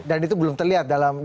dan itu belum terlihat dalam